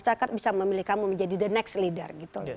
masyarakat bisa memilih kamu menjadi the next leader gitu